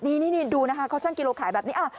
นี่ดูนะคะเขาช่างกิโลขายแบบนี้